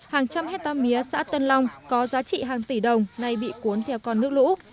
hàng trăm hectare mía xã tân long có giá trị hàng tỷ đồng nay bị cuốn theo con nước lũ